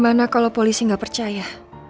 bagaimana kalau polisi nggak percaya